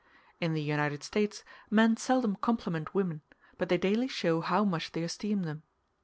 In the United States men seldom compliment women, but they daily show how much they esteem them.